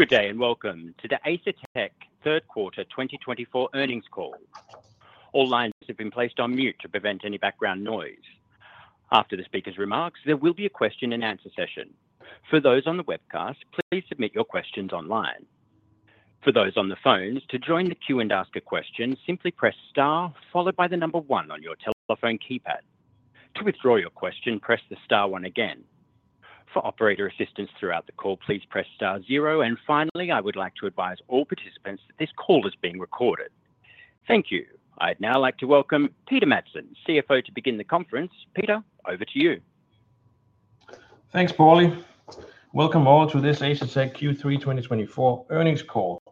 Good day and welcome to the Asetek Third Quarter 2024 Earnings Call. All lines have been placed on mute to prevent any background noise. After the speaker's remarks, there will be a question-and-answer session. For those on the webcast, please submit your questions online. For those on the phones, to join the queue and ask a question, simply press star followed by the number one on your telephone keypad. To withdraw your question, press the star one again. For operator assistance throughout the call, please press star zero. And finally, I would like to advise all participants that this call is being recorded. Thank you. I'd now like to welcome Peter Madsen, CFO, to begin the conference. Peter, over to you. Thanks, Paulie. Welcome all to this Asetek Q3 2024 Earnings Call.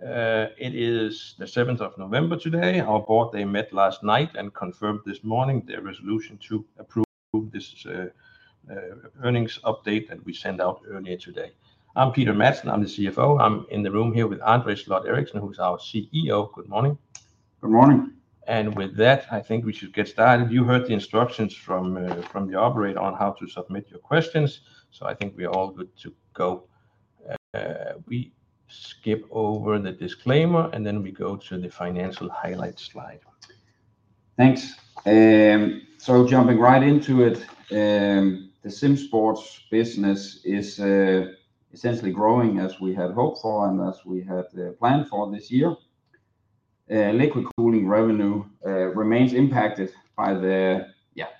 It is the 7th of November today. Our board they met last night and confirmed this morning their resolution to approve this earnings update that we sent out earlier today. I'm Peter Madsen. I'm the CFO. I'm in the room here with André Sloth Eriksen, who's our CEO. Good morning. Good morning. With that, I think we should get started. You heard the instructions from the operator on how to submit your questions. I think we are all good to go. We skip over the disclaimer and then we go to the financial highlight slide. Thanks. So jumping right into it, the SimSports business is essentially growing as we had hoped for and as we had planned for this year. Liquid cooling revenue remains impacted by the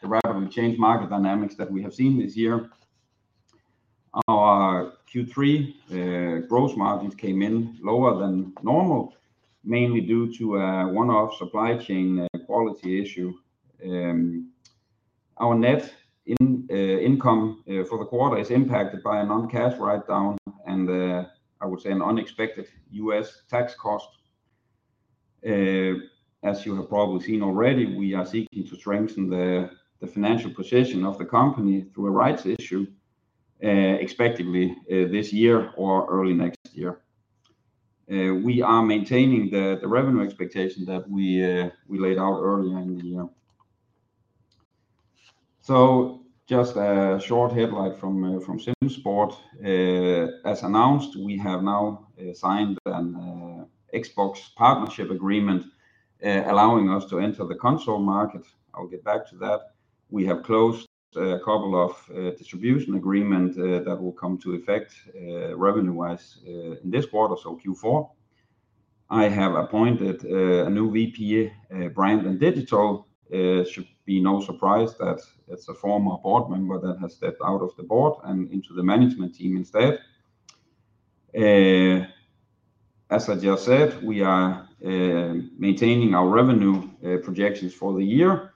rapidly changed market dynamics that we have seen this year. Our Q3 gross margins came in lower than normal, mainly due to a one-off supply chain quality issue. Our net income for the quarter is impacted by a non-cash write-down and, I would say, an unexpected U.S. tax cost. As you have probably seen already, we are seeking to strengthen the financial position of the company through a rights issue expectedly this year or early next year. We are maintaining the revenue expectation that we laid out earlier in the year. So just a short headline from SimSports. As announced, we have now signed an Xbox partnership agreement allowing us to enter the console market. I'll get back to that. We have closed a couple of distribution agreements that will come to effect revenue-wise in this quarter, so Q4. I have appointed a new VP, Branding and Digital. Should be no surprise that it's a former board member that has stepped out of the board and into the management team instead. As I just said, we are maintaining our revenue projections for the year.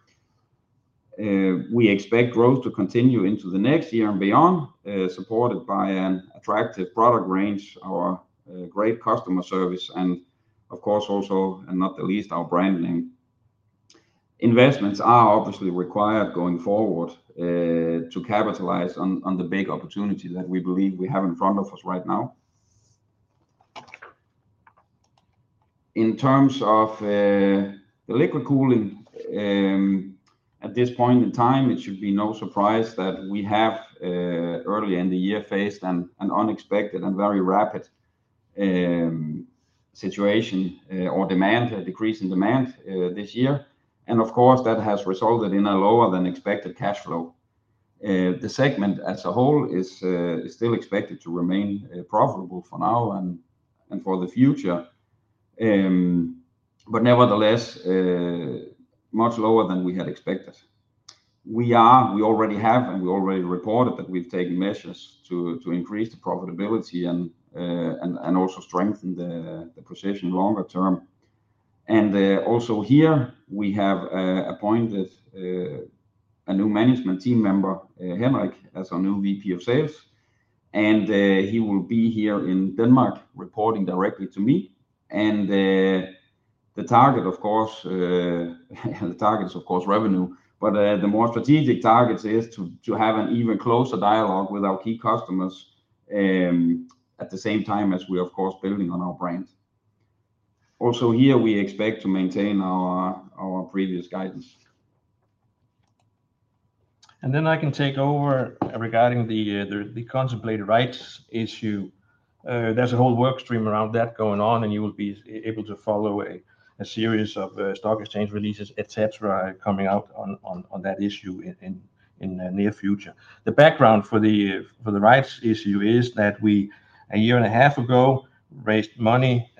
We expect growth to continue into the next year and beyond, supported by an attractive product range, our great customer service, and of course, also and not the least, our brand name. Investments are obviously required going forward to capitalize on the big opportunity that we believe we have in front of us right now. In terms of the liquid cooling, at this point in time, it should be no surprise that we have early in the year faced an unexpected and very rapid situation or decrease in demand this year, and of course, that has resulted in a lower than expected cash flow. The segment as a whole is still expected to remain profitable for now and for the future, but nevertheless, much lower than we had expected. We already have and we already reported that we've taken measures to increase the profitability and also strengthen the position longer term, and also here, we have appointed a new management team member, Henrik, as our new VP of Sales, and he will be here in Denmark reporting directly to me. The target, of course, the target is, of course, revenue, but the more strategic target is to have an even closer dialogue with our key customers at the same time as we are, of course, building on our brand. Also here, we expect to maintain our previous guidance. Then I can take over regarding the contemplated rights issue. There's a whole workstream around that going on, and you will be able to follow a series of stock exchange releases, et cetera, coming out on that issue in the near future. The background for the rights issue is that we, a year and a half ago, raised money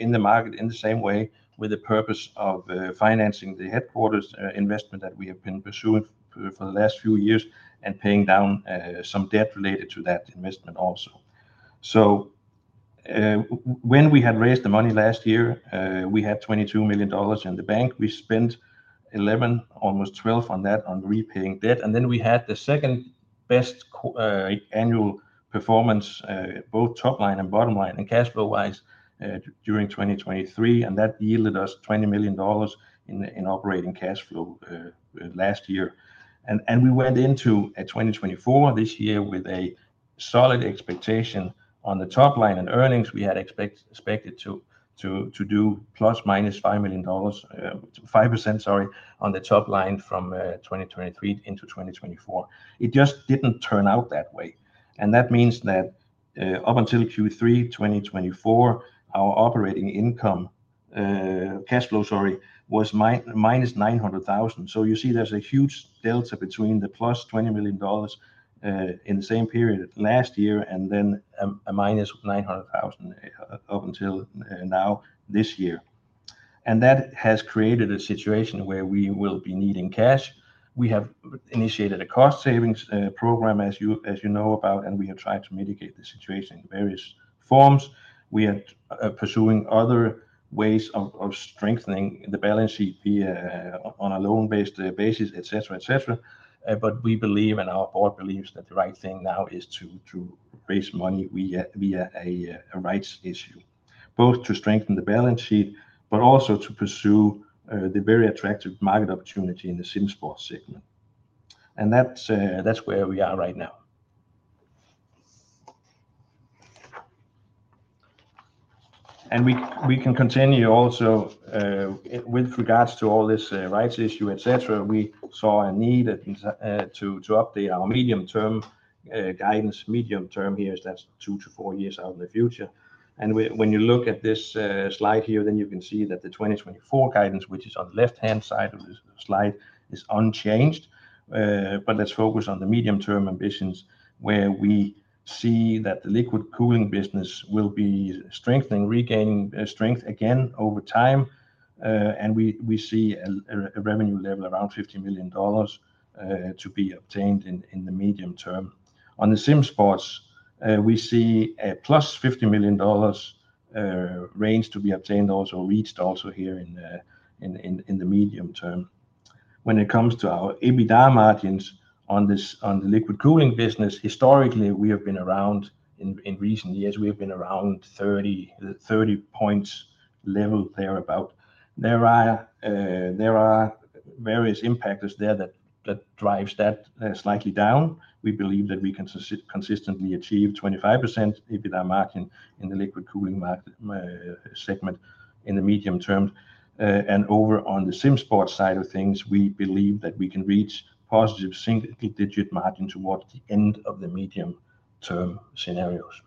in the market in the same way with the purpose of financing the headquarters investment that we have been pursuing for the last few years and paying down some debt related to that investment also. So when we had raised the money last year, we had $22 million in the bank. We spent $11, almost $12 on that, on repaying debt. And then we had the second best annual performance, both top line and bottom line and cash flow-wise during 2023. That yielded us $20 million in operating cash flow last year. We went into 2024 this year with a solid expectation on the top line and earnings. We had expected to do plus minus $5 million, 5%, sorry, on the top line from 2023 into 2024. It just didn't turn out that way. That means that up until Q3 2024, our operating income cash flow, sorry, was minus $900,000. You see there's a huge delta between the plus $20 million in the same period last year and then a minus $900,000 up until now this year. That has created a situation where we will be needing cash. We have initiated a cost savings program, as you know about, and we have tried to mitigate the situation in various forms. We are pursuing other ways of strengthening the balance sheet on a loan-based basis, et cetera, et cetera. But we believe, and our board believes, that the right thing now is to raise money via a rights issue, both to strengthen the balance sheet, but also to pursue the very attractive market opportunity in the SimSports segment. And that's where we are right now. And we can continue also with regards to all this rights issue, et cetera. We saw a need to update our medium-term guidance. Medium-term here is that two to four years out in the future. And when you look at this slide here, then you can see that the 2024 guidance, which is on the left-hand side of this slide, is unchanged. But let's focus on the medium-term ambitions, where we see that the liquid cooling business will be strengthening, regaining strength again over time. We see a revenue level around $50 million to be obtained in the medium term. On the SimSports, we see a plus $50 million range to be obtained or reached also here in the medium term. When it comes to our EBITDA margins on the liquid cooling business, historically, in recent years, we have been around 30 points level thereabout. We believe that we can consistently achieve 25% EBITDA margin in the liquid cooling market segment in the medium term. Over on the SimSports side of things, we believe that we can reach positive single-digit margin towards the end of the medium-term scenarios.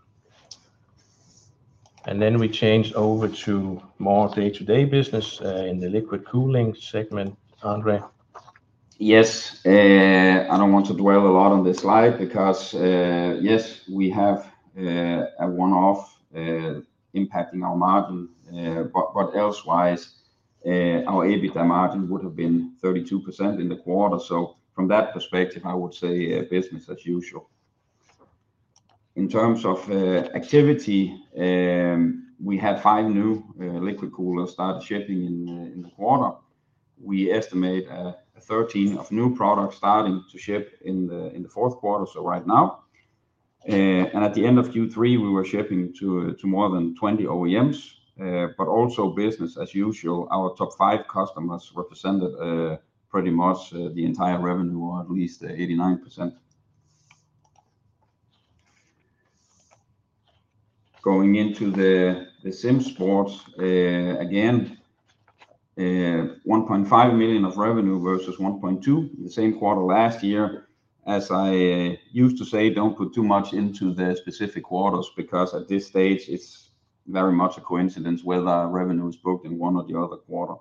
Then we change over to more day-to-day business in the liquid cooling segment, André. Yes. I don't want to dwell a lot on this slide because, yes, we have a one-off impacting our margin, but elsewise, our EBITDA margin would have been 32% in the quarter. So from that perspective, I would say business as usual. In terms of activity, we have five new liquid coolers started shipping in the quarter. We estimate 13 of new products starting to ship in the fourth quarter, so right now. And at the end of Q3, we were shipping to more than 20 OEMs, but also business as usual. Our top five customers represented pretty much the entire revenue, or at least 89%. Going into the SimSports, again, $1.5 million of revenue versus $1.2 million in the same quarter last year. As I used to say, don't put too much into the specific quarters because at this stage, it's very much a coincidence whether revenue is booked in one or the other quarter.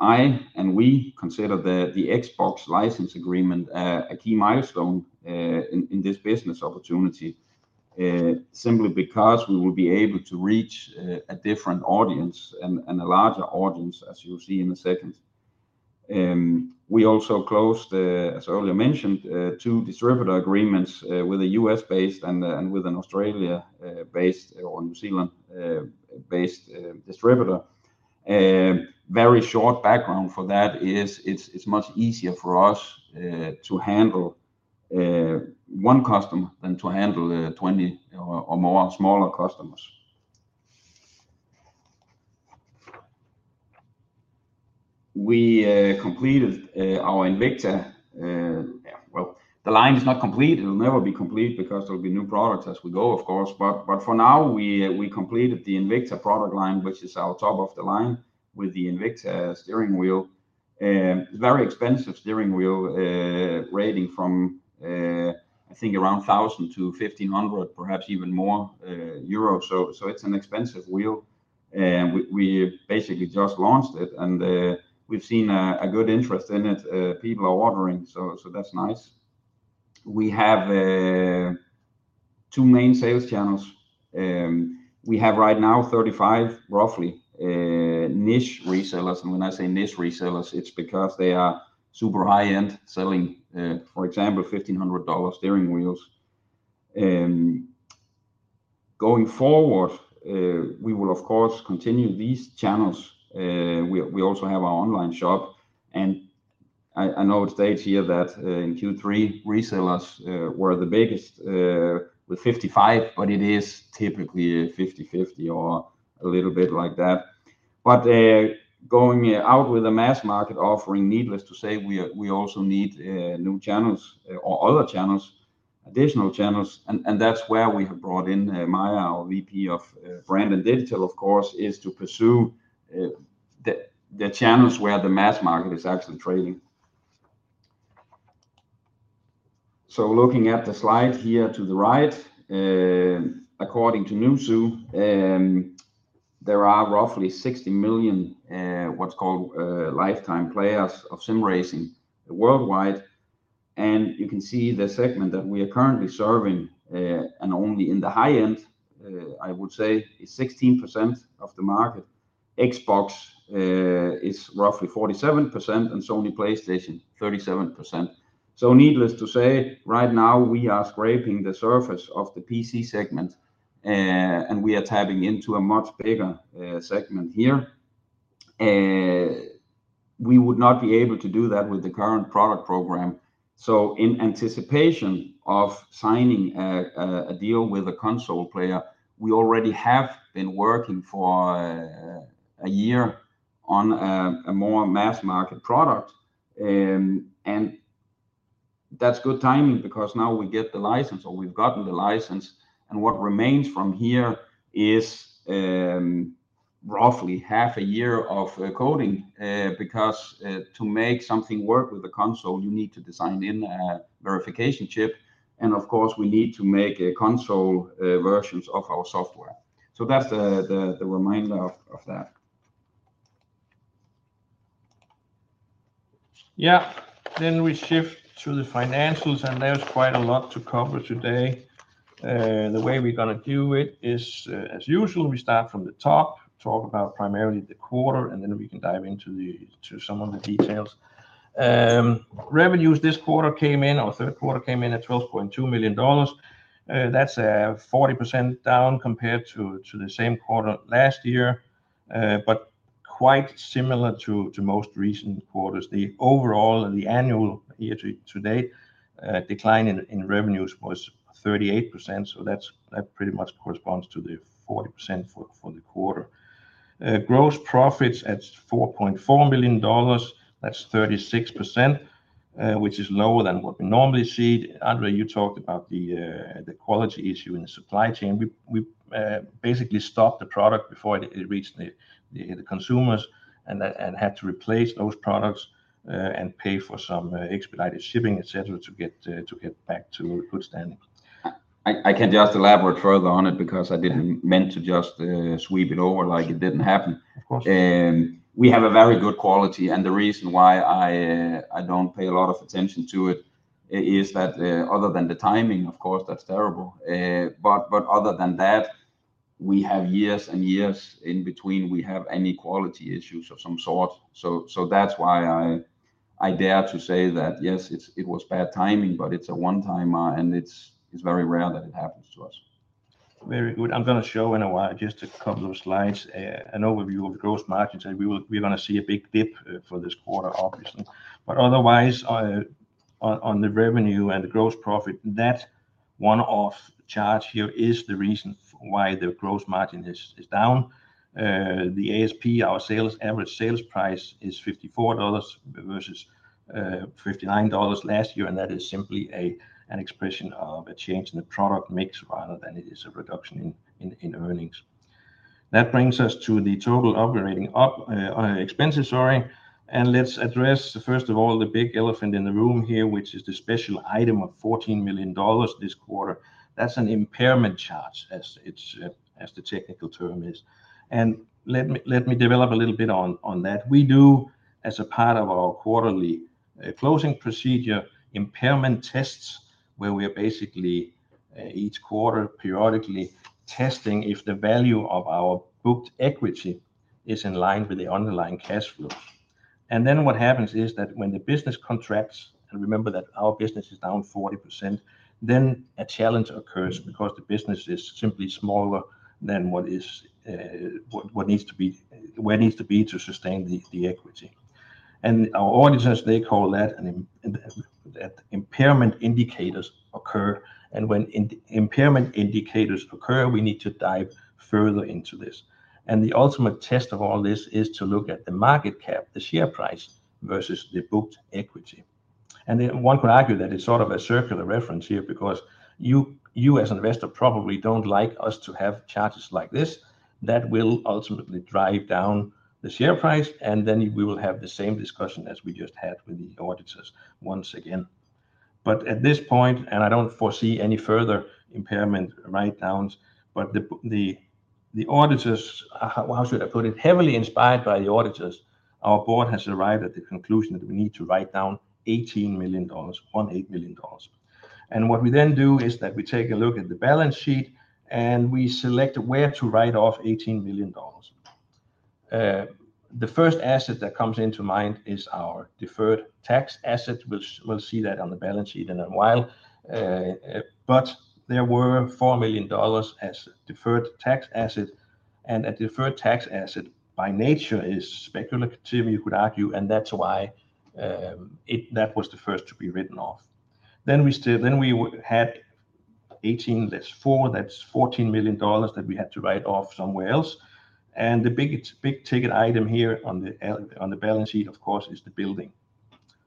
I and we consider the Xbox license agreement a key milestone in this business opportunity simply because we will be able to reach a different audience and a larger audience, as you'll see in a second. We also closed, as earlier mentioned, two distributor agreements with a US-based and with an Australia-based or New Zealand-based distributor. Very short background for that is it's much easier for us to handle one customer than to handle 20 or more smaller customers. We completed our Invicta. The line is not complete. It'll never be complete because there'll be new products as we go, of course. But for now, we completed the Invicta product line, which is our top of the line with the Invicta steering wheel. It's a very expensive steering wheel retailing from, I think, around 1,000-1,500, perhaps even more euros. So it's an expensive wheel. We basically just launched it, and we've seen a good interest in it. People are ordering, so that's nice. We have two main sales channels. We have right now roughly 35 niche resellers. And when I say niche resellers, it's because they are super high-end selling, for example, $1,500 steering wheels. Going forward, we will, of course, continue these channels. We also have our online shop. And I know it states here that in Q3, resellers were the biggest with 55%, but it is typically 50/50 or a little bit like that. But going out with a mass market offering, needless to say, we also need new channels or other channels, additional channels. And that's where we have brought in Maja, our VP of Branding and Digital, of course, is to pursue the channels where the mass market is actually trading. So looking at the slide here to the right, according to Newzoo, there are roughly 60 million what's called lifetime players of sim racing worldwide. And you can see the segment that we are currently serving, and only in the high end, I would say, is 16% of the market. Xbox is roughly 47%, and Sony PlayStation 37%. So needless to say, right now, we are scraping the surface of the PC segment, and we are tapping into a much bigger segment here. We would not be able to do that with the current product program. In anticipation of signing a deal with a console player, we already have been working for a year on a more mass market product. That's good timing because now we get the license, or we've gotten the license. What remains from here is roughly half a year of coding because to make something work with a console, you need to design in a verification chip. Of course, we need to make console versions of our software. That's the remainder of that. Yeah. Then we shift to the financials, and there's quite a lot to cover today. The way we're going to do it is, as usual, we start from the top, talk about primarily the quarter, and then we can dive into some of the details. Revenues this quarter came in, or third quarter came in at $12.2 million. That's a 40% down compared to the same quarter last year, but quite similar to most recent quarters. The overall, the annual year to date, decline in revenues was 38%. So that pretty much corresponds to the 40% for the quarter. Gross profits at $4.4 million, that's 36%, which is lower than what we normally see. André, you talked about the quality issue in the supply chain. We basically stopped the product before it reached the consumers and had to replace those products and pay for some expedited shipping, et cetera, to get back to good standing. I can just elaborate further on it because I didn't mean to just sweep it over like it didn't happen. Of course. We have a very good quality, and the reason why I don't pay a lot of attention to it is that other than the timing, of course, that's terrible. But other than that, we have years and years in between we have any quality issues of some sort. So that's why I dare to say that, yes, it was bad timing, but it's a one-timer, and it's very rare that it happens to us. Very good. I'm going to show in a while just a couple of slides, an overview of gross margins. We're going to see a big dip for this quarter, obviously. But otherwise, on the revenue and the gross profit, that one-off charge here is the reason why the gross margin is down. The ASP, our average sales price, is $54 versus $59 last year, and that is simply an expression of a change in the product mix rather than it is a reduction in earnings. That brings us to the total operating expenses, sorry. And let's address, first of all, the big elephant in the room here, which is the special item of $14 million this quarter. That's an impairment charge, as the technical term is. And let me develop a little bit on that. We do, as a part of our quarterly closing procedure, impairment tests, where we are basically each quarter periodically testing if the value of our booked equity is in line with the underlying cash flows, and then what happens is that when the business contracts, and remember that our business is down 40%, then a challenge occurs because the business is simply smaller than what needs to be where needs to be to sustain the equity, and our auditors and stakeholders that impairment indicators occur, and when impairment indicators occur, we need to dive further into this, and the ultimate test of all this is to look at the market cap, the share price versus the booked equity, and one could argue that it's sort of a circular reference here because you as an investor probably don't like us to have charges like this. That will ultimately drive down the share price, and then we will have the same discussion as we just had with the auditors once again, but at this point, and I don't foresee any further impairment write-downs, but the auditors, how should I put it? Heavily inspired by the auditors, our board has arrived at the conclusion that we need to write down $18 million on $8 million, and what we then do is that we take a look at the balance sheet, and we select where to write off $18 million. The first asset that comes into mind is our deferred tax asset. We'll see that on the balance sheet in a while, but there were $4 million as deferred tax asset, and a deferred tax asset by nature is speculative, you could argue, and that's why that was the first to be written off. Then we had 18, that's four, that's $14 million that we had to write off somewhere else. And the big ticket item here on the balance sheet, of course, is the building.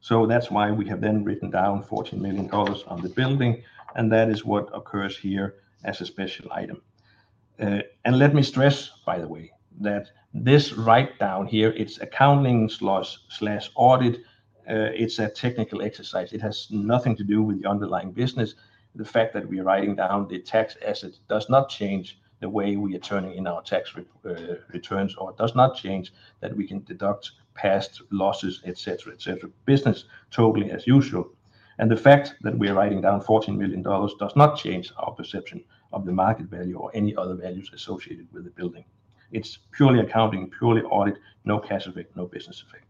So that's why we have then written down $14 million on the building, and that is what occurs here as a special item. And let me stress, by the way, that this write-down here, it's accounting/audit. It's a technical exercise. It has nothing to do with the underlying business. The fact that we are writing down the tax asset does not change the way we are turning in our tax returns or does not change that we can deduct past losses, et cetera, et cetera. Business totally as usual. And the fact that we are writing down $14 million does not change our perception of the market value or any other values associated with the building. It’s purely accounting, purely audit, no cash effect, no business effect.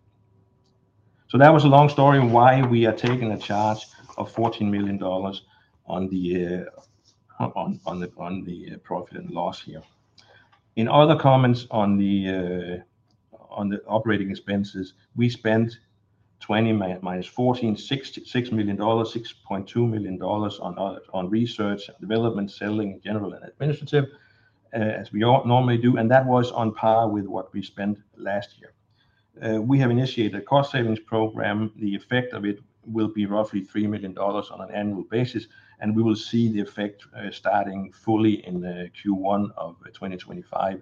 That was a long story on why we are taking a charge of $14 million on the profit and loss here. In other comments on the operating expenses, we spent 20 minus 14, $6 million, $6.2 million on research and development, selling, general, and administrative, as we normally do, and that was on par with what we spent last year. We have initiated a cost savings program. The effect of it will be roughly $3 million on an annual basis, and we will see the effect starting fully in Q1 of 2025.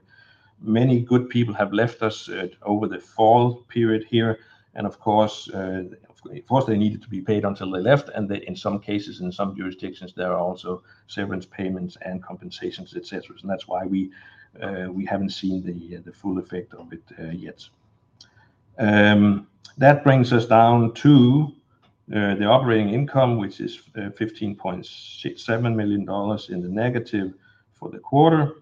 Many good people have left us over the fall period here. Of course, of course, they needed to be paid until they left, and in some cases, in some jurisdictions, there are also severance payments and compensations, et cetera. And that's why we haven't seen the full effect of it yet. That brings us down to the operating income, which is $15.7 million in the negative for the quarter,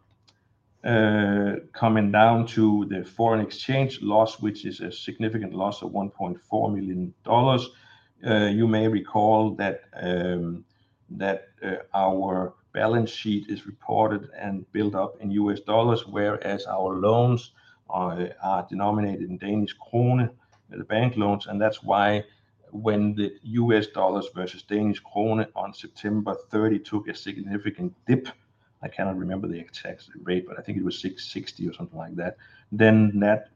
coming down to the foreign exchange loss, which is a significant loss of $1.4 million. You may recall that our balance sheet is reported and built up in US dollars, whereas our loans are denominated in Danish krone, the bank loans. And that's why when the US dollars versus Danish krone on September 30 took a significant dip, I cannot remember the exact rate, but I think it was 660 or something like that, then that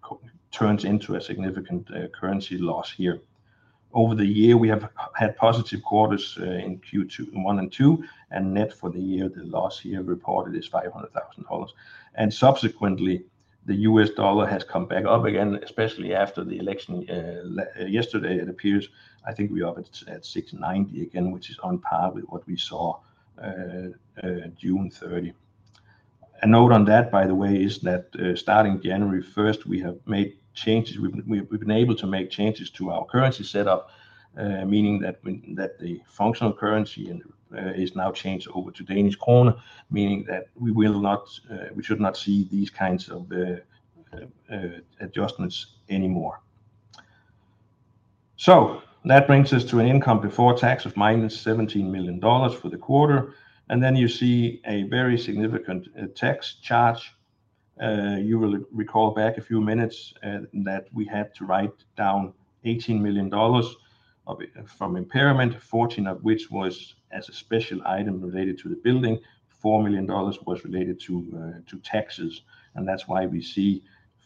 turns into a significant currency loss here. Over the year, we have had positive quarters in Q1 and Q2, and net for the year, the loss here reported is $500,000. And subsequently, the U.S. dollar has come back up again, especially after the election yesterday. It appears, I think we are at 690 again, which is on par with what we saw June 30. A note on that, by the way, is that starting January 1st, we have made changes. We've been able to make changes to our currency setup, meaning that the functional currency is now changed over to Danish krone, meaning that we should not see these kinds of adjustments anymore. So that brings us to an income before tax of -$17 million for the quarter. And then you see a very significant tax charge. You will recall back a few minutes that we had to write down $18 million from impairment, 14 of which was as a special item related to the building. $4 million was related to taxes. That's why we see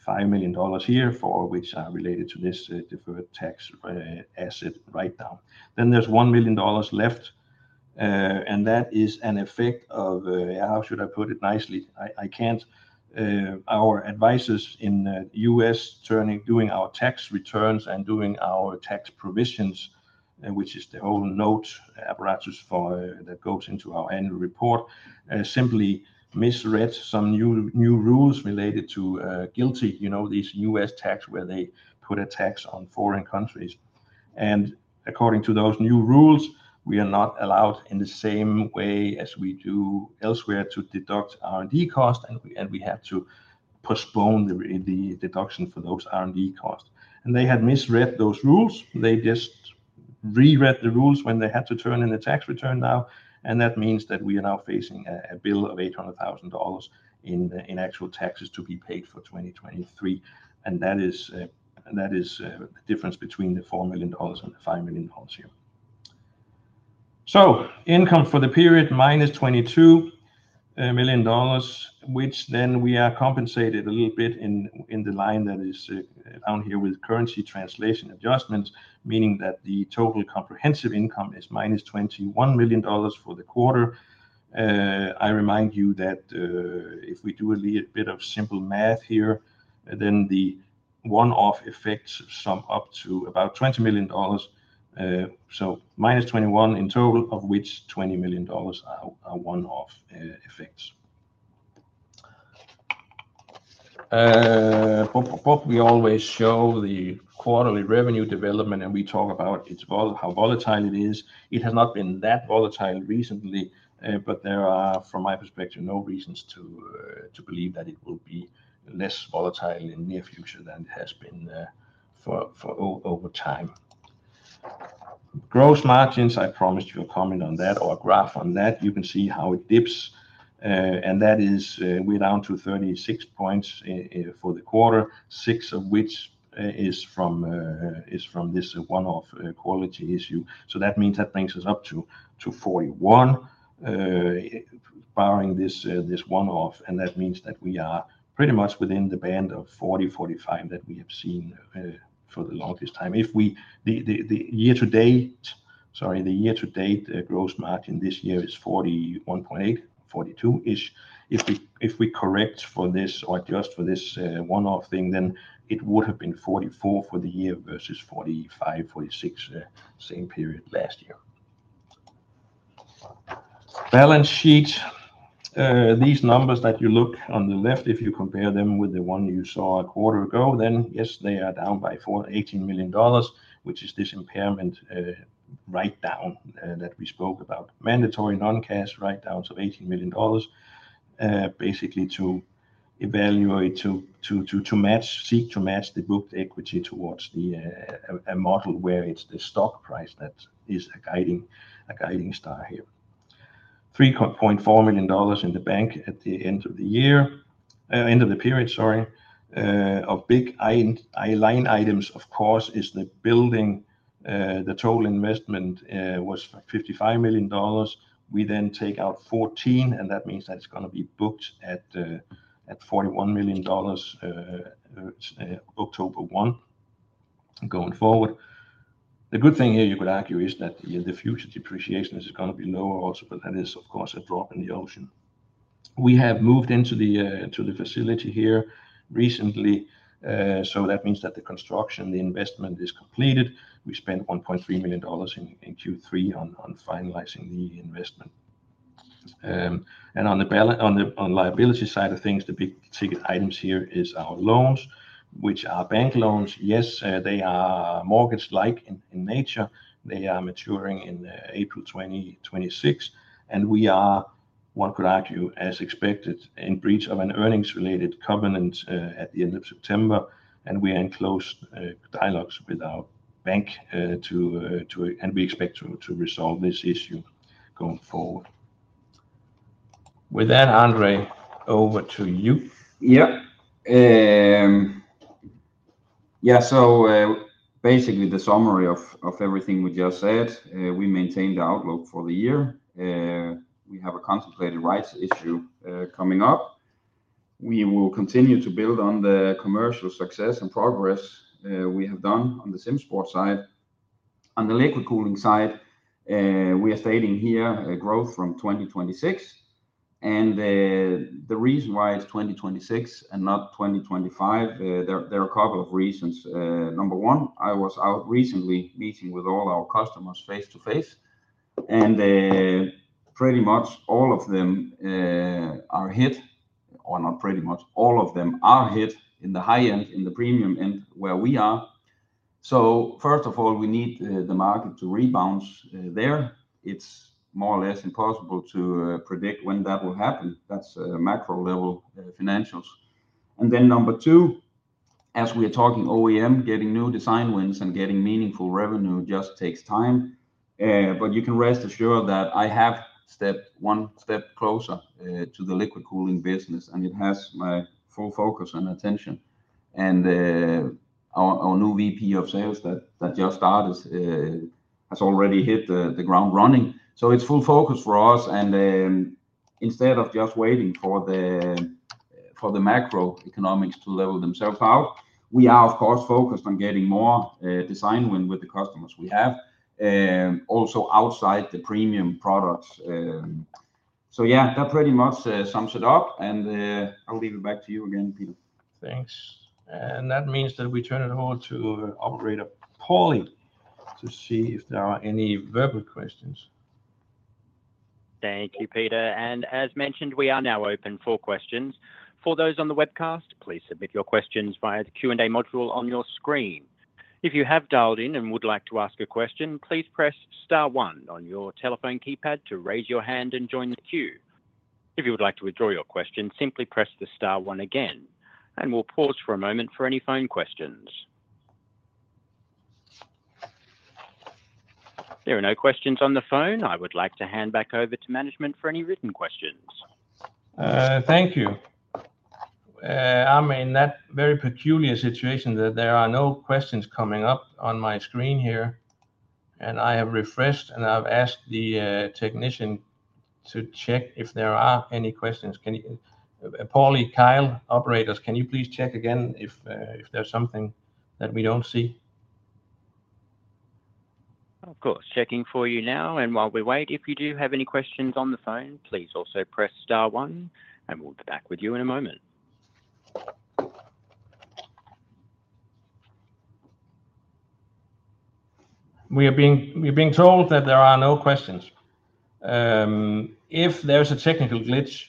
$5 million here, for which are related to this deferred tax asset write-down. Then there's $1 million left, and that is an effect of, how should I put it nicely? Our advisors in the U.S. doing our tax returns and doing our tax provisions, which is the whole note apparatus that goes into our annual report, simply misread some new rules related to GILTI, you know, these U.S. tax where they put a tax on foreign countries. And according to those new rules, we are not allowed in the same way as we do elsewhere to deduct R&D cost, and we have to postpone the deduction for those R&D costs. And they had misread those rules. They just re-read the rules when they had to turn in the tax return now, and that means that we are now facing a bill of $800,000 in actual taxes to be paid for 2023. and that is the difference between the $4 million and the $5 million here. so income for the period minus $22 million, which then we are compensated a little bit in the line that is down here with currency translation adjustments, meaning that the total comprehensive income is minus $21 million for the quarter. I remind you that if we do a little bit of simple math here, then the one-off effects sum up to about $20 million. so minus $21 in total, of which $20 million are one-off effects. We always show the quarterly revenue development, and we talk about how volatile it is. It has not been that volatile recently, but there are, from my perspective, no reasons to believe that it will be less volatile in the near future than it has been over time. Gross margins, I promised you a comment on that or a graph on that. You can see how it dips, and that is, we're down to 36 points for the quarter, six of which is from this one-off quality issue. So that means that brings us up to 41 barring this one-off, and that means that we are pretty much within the band of 40-45 that we have seen for the longest time. Sorry, the year-to-date gross margin this year is 41.8, 42-ish. If we correct for this or adjust for this one-off thing, then it would have been 44% for the year versus 45-46% same period last year. Balance sheet, these numbers that you look on the left, if you compare them with the one you saw a quarter ago, then yes, they are down by $18 million, which is this impairment write-down that we spoke about. Mandatory non-cash write-downs of $18 million, basically to evaluate, to match, seek to match the booked equity towards the model where it's the stock price that is a guiding star here. $3.4 million in the bank at the end of the year, end of the period, sorry, of big line items, of course, is the building. The total investment was $55 million. We then take out 14, and that means that it's going to be booked at $41 million October 1 going forward. The good thing here, you could argue, is that the future depreciation is going to be lower also, but that is, of course, a drop in the ocean. We have moved into the facility here recently, so that means that the construction, the investment is completed. We spent $1.3 million in Q3 on finalizing the investment, and on the liability side of things, the big ticket items here are our loans, which are bank loans. Yes, they are mortgage-like in nature. They are maturing in April 2026, and we are, one could argue, as expected, in breach of an earnings-related covenant at the end of September, and we are in close dialogues with our bank, and we expect to resolve this issue going forward. With that, André, over to you. Yep. Yeah, so basically the summary of everything we just said, we maintain the outlook for the year. We have a contemplated rights issue coming up. We will continue to build on the commercial success and progress we have done on the SimSports side. On the liquid cooling side, we are stating here a growth from 2026, and the reason why it's 2026 and not 2025, there are a couple of reasons. Number one, I was out recently meeting with all our customers face-to-face, and pretty much all of them are hit, or not pretty much, all of them are hit in the high end, in the premium end where we are, so first of all, we need the market to rebound there. It's more or less impossible to predict when that will happen. That's macro-level financials, and then number two, as we are talking OEM, getting new design wins and getting meaningful revenue just takes time, but you can rest assured that I have stepped one step closer to the liquid cooling business, and it has my full focus and attention. Our new VP of sales that just started has already hit the ground running. So it's full focus for us. And instead of just waiting for the macroeconomics to level themselves out, we are, of course, focused on getting more design win with the customers we have, also outside the premium products. So yeah, that pretty much sums it up, and I'll leave it back to you again, Peter. Thanks. And that means that we turn it over to operator Paulie to see if there are any verbal questions. Thank you, Peter. And as mentioned, we are now open for questions. For those on the webcast, please submit your questions via the Q&A module on your screen. If you have dialed in and would like to ask a question, please press star one on your telephone keypad to raise your hand and join the queue. If you would like to withdraw your question, simply press the star one again, and we'll pause for a moment for any phone questions. There are no questions on the phone. I would like to hand back over to management for any written questions. Thank you. I'm in that very peculiar situation that there are no questions coming up on my screen here, and I have refreshed, and I've asked the technician to check if there are any questions. Paulie, Kyle, operators, can you please check again if there's something that we don't see? Of course, checking for you now. And while we wait, if you do have any questions on the phone, please also press star one, and we'll be back with you in a moment. We are being told that there are no questions. If there's a technical glitch,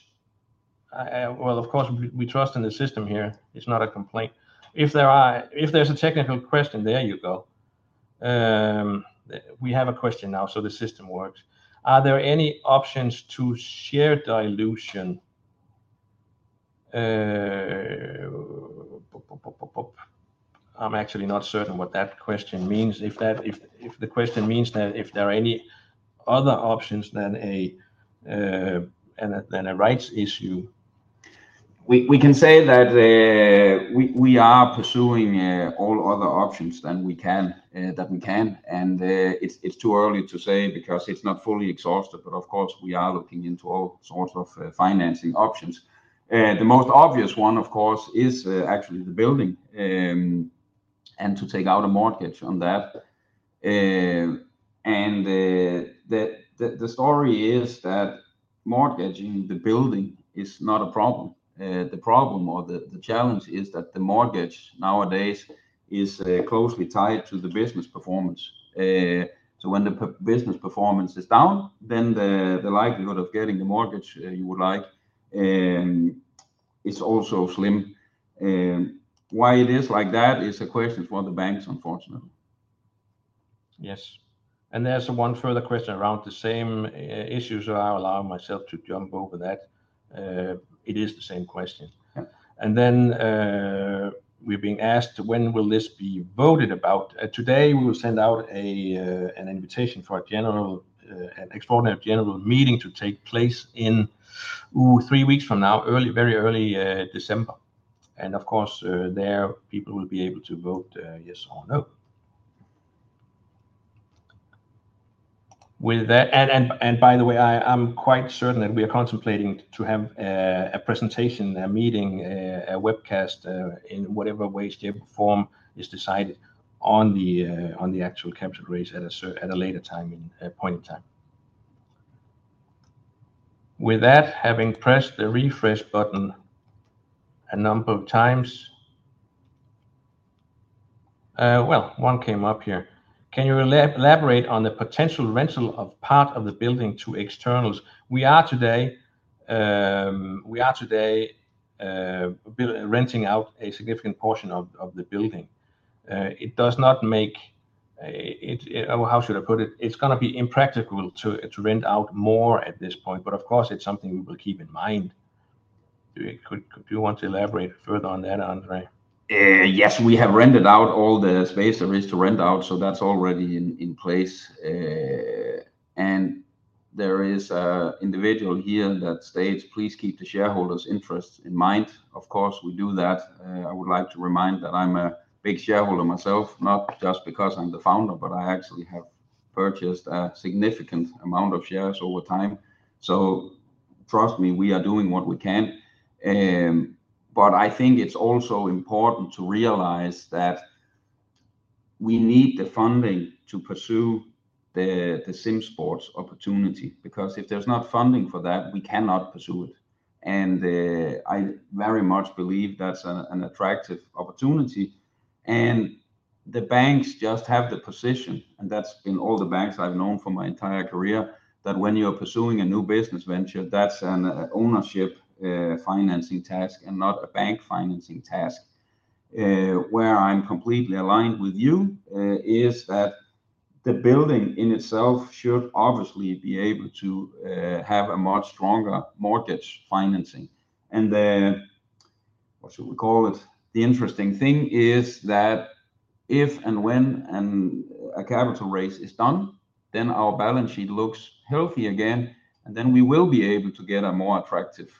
well, of course, we trust in the system here. It's not a complaint. If there's a technical question, there you go. We have a question now, so the system works. Are there any options to share dilution? I'm actually not certain what that question means. If the question means that if there are any other options than a rights issue. We can say that we are pursuing all other options than we can, and it's too early to say because it's not fully exhausted, but of course, we are looking into all sorts of financing options. The most obvious one, of course, is actually the building and to take out a mortgage on that. And the story is that mortgaging the building is not a problem. The problem or the challenge is that the mortgage nowadays is closely tied to the business performance. When the business performance is down, then the likelihood of getting a mortgage you would like is also slim. Why it is like that is a question for the banks, unfortunately. Yes. And there's one further question around the same issues, so I'll allow myself to jump over that. It is the same question. And then we've been asked when will this be voted about. Today, we will send out an invitation for an extraordinary general meeting to take place in three weeks from now, very early December. And of course, there people will be able to vote yes or no. And by the way, I'm quite certain that we are contemplating to have a presentation, a meeting, a webcast in whatever way, shape, form is decided on the actual capital raise at a later point in time. With that, having pressed the refresh button a number of times, one came up here. Can you elaborate on the potential rental of part of the building to externals? We are today renting out a significant portion of the building. It does not make how should I put it? It's going to be impractical to rent out more at this point, but of course, it's something we will keep in mind. Do you want to elaborate further on that, André? Yes, we have rented out all the space there is to rent out, so that's already in place, and there is an individual here that states, "Please keep the shareholders' interests in mind." Of course, we do that. I would like to remind that I'm a big shareholder myself, not just because I'm the founder, but I actually have purchased a significant amount of shares over time. So trust me, we are doing what we can. But I think it's also important to realize that we need the funding to pursue the SimSports opportunity because if there's not funding for that, we cannot pursue it. And I very much believe that's an attractive opportunity. And the banks just have the position, and that's been all the banks I've known for my entire career, that when you're pursuing a new business venture, that's an ownership financing task and not a bank financing task. Where I'm completely aligned with you is that the building in itself should obviously be able to have a much stronger mortgage financing. And what should we call it? The interesting thing is that if and when a capital raise is done, then our balance sheet looks healthy again, and then we will be able to get a more attractive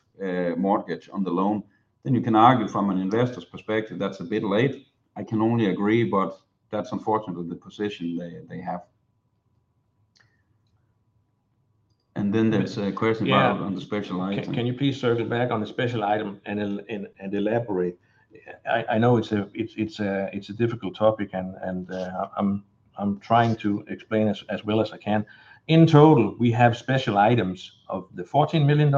mortgage on the loan. Then you can argue from an investor's perspective, that's a bit late. I can only agree, but that's unfortunately the position they have. And then there's a question about on the special item. Can you please circle back on the special item and elaborate? I know it's a difficult topic, and I'm trying to explain as well as I can. In total, we have special items of the $14 million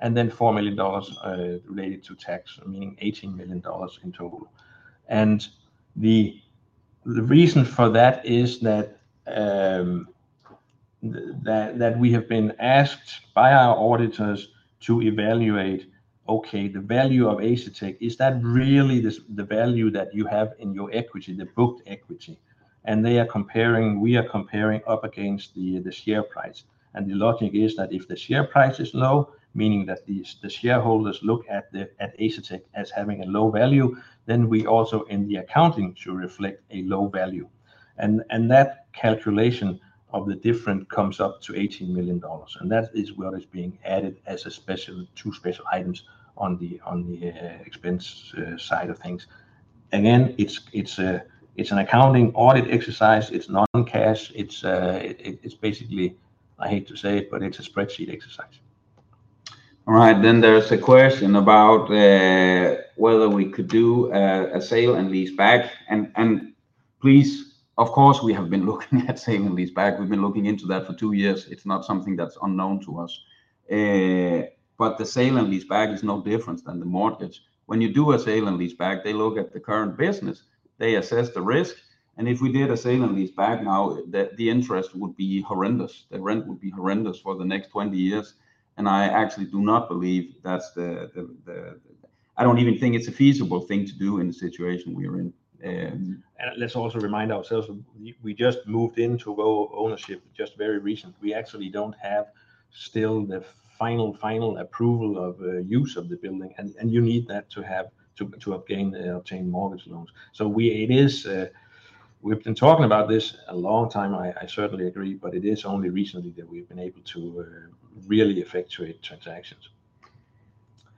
and then $4 million related to tax, meaning $18 million in total. And the reason for that is that we have been asked by our auditors to evaluate, okay, the value of Asetek, is that really the value that you have in your equity, the booked equity? And we are comparing up against the share price. The logic is that if the share price is low, meaning that the shareholders look at Asetek as having a low value, then we also in the accounting should reflect a low value. And that calculation of the difference comes up to $18 million. And that is what is being added as two special items on the expense side of things. Again, it's an accounting audit exercise. It's non-cash. It's basically, I hate to say it, but it's a spreadsheet exercise. All right. Then there's a question about whether we could do a sale and lease back. And please, of course, we have been looking at sale and lease back. We've been looking into that for two years. It's not something that's unknown to us. But the sale and lease back is no different than the mortgage. When you do a sale and lease back, they look at the current business. They assess the risk, and if we did a sale and lease back now, the interest would be horrendous. The rent would be horrendous for the next 20 years, and I actually do not believe that's. I don't even think it's a feasible thing to do in the situation we are in. Let's also remind ourselves, we just moved into ownership just very recently. We actually don't have still the final approval of use of the building, and you need that to obtain mortgage loans, so we've been talking about this a long time. I certainly agree, but it is only recently that we've been able to really effectuate transactions,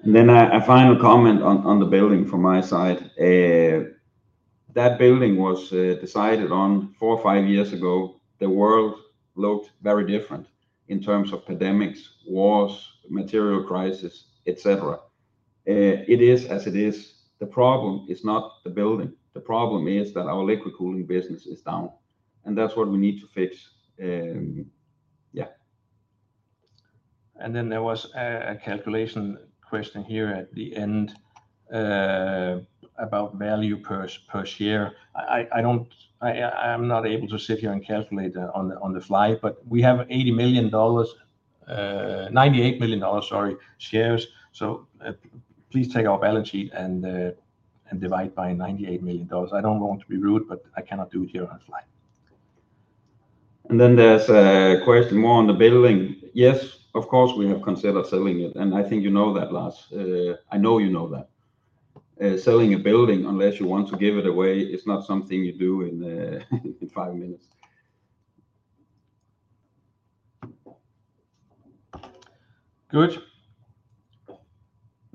and then a final comment on the building from my side. That building was decided on four or five years ago. The world looked very different in terms of pandemics, wars, material crisis, etc. It is as it is. The problem is not the building. The problem is that our liquid cooling business is down, and that's what we need to fix. Yeah. And then there was a calculation question here at the end about value per share. I'm not able to sit here and calculate on the fly, but we have $98 million, sorry, shares. So please take our balance sheet and divide by $98 million. I don't want to be rude, but I cannot do it here on the fly. And then there's a question more on the building. Yes, of course, we have considered selling it. And I think you know that, Lars. I know you know that. Selling a building unless you want to give it away is not something you do in five minutes. Good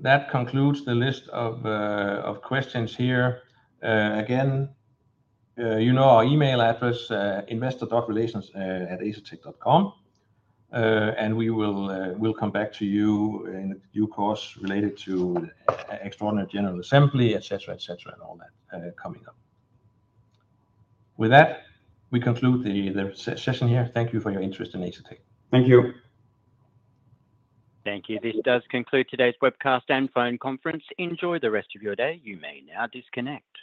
that concludes the list of questions here. Again, you know our email address, investor.relations@asetek.com. And we will come back to you in due course related to extraordinary general assembly, etc., etc., and all that coming up. With that, we conclude the session here. Thank you for your interest in Asetek. Thank you. Thank you. This does conclude today's webcast and phone conference. Enjoy the rest of your day. You may now disconnect.